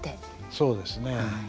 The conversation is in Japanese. そうですね。